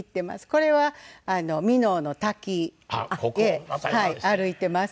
これは箕面の滝歩いてます。